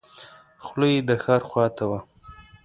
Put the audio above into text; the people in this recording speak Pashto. خوله یې د ښار خواته وه.